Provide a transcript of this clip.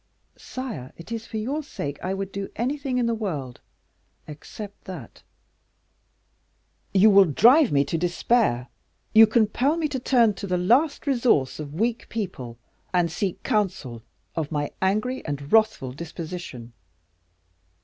"Sire, it is for your sake I would do anything in the world, except that." "You will drive me to despair you compel me to turn to the last resource of weak people, and seek counsel of my angry and wrathful disposition."